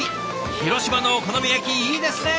広島のお好み焼きいいですね。